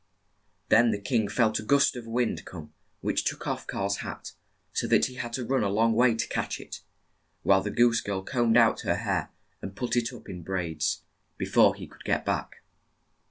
Then the king felt a gust of wind come, which took off Karl's hat, so that he had to run a long way to catch it ; while the goose girl combed out her hair, and put it up in braids, be fore he could get back.